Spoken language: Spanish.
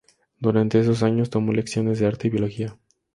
Durante esos años, tomó lecciones de Arte y Biología.